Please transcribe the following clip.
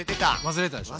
忘れてたでしょ。